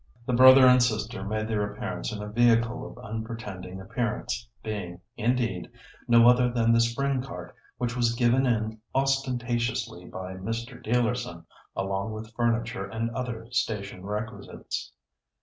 The brother and sister made their appearance in a vehicle of unpretending appearance, being, indeed, no other than the spring cart which was "given in" ostentatiously by Mr. Dealerson, along with furniture and other station requisites.